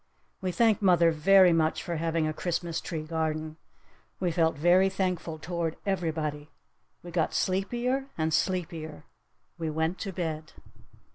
We thanked mother very much for having a Christmas tree garden! We felt very thankful toward everybody! We got sleepier and sleepier! We went to bed!